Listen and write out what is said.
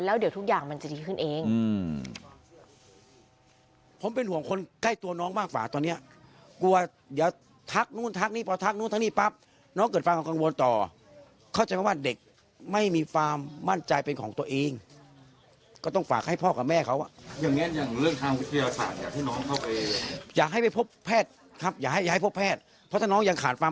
แล้วเดี๋ยวทุกอย่างมันจะดีขึ้นเอง